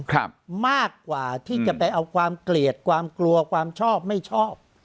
ครับมากกว่าที่จะไปเอาความเกลียดความกลัวความชอบไม่ชอบ